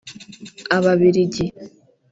ababiligi